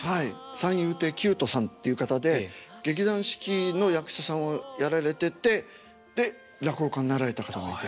三遊亭究斗さんっていう方で劇団四季の役者さんをやられててで落語家になられた方がいて。